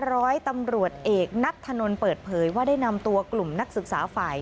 ร้อยตำรวจเอกนัทธนนท์เปิดเผยว่าได้นำตัวกลุ่มนักศึกษาฝ่าย